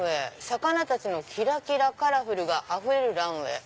「魚たちのキラキラカラフルがあふれるランウェイ。